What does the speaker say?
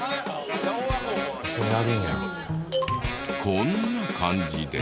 こんな感じで。